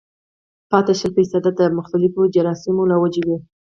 پاتې شل فيصده د مختلفو جراثيمو له وجې وي